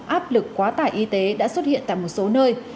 áp lực quá tải y tế đã xuất hiện tại một số nơi